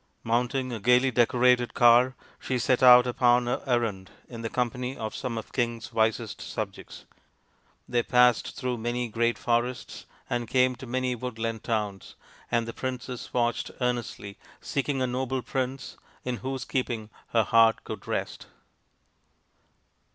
Mount ing a gaily decorated car, she set out upon her errand in the company of some of the king's wisest subjects. They passed through many great forests and came to many woodland towns ; and the princess watched earnestly, seeking a noble prince in whose keeping her heart could rest.